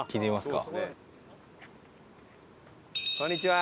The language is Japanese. こんにちは。